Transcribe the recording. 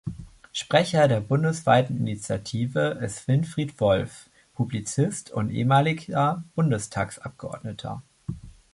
Sprecher der bundesweiten Initiative ist Winfried Wolf, Publizist und ehemaliger Bundestagsabgeordneter.